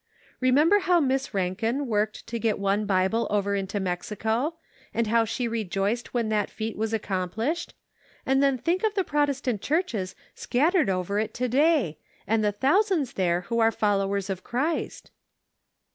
Remember how Miss Rankin worked to get one Bible over into Mexico, and how she rejoiced when that feat was accomplished ; and then think of the Protestant churches scattered over it to day, and the thousands there who are followers of Christ